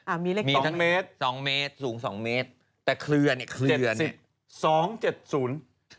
อ่ามีเลข๒เมตรสูง๒เมตรแต่เคลือเนี่ยเคลือเนี่ย